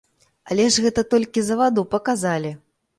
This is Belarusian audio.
Але ж гэта толькі за ваду паказалі!